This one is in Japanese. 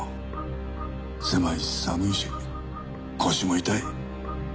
狭いし寒いし腰も痛い。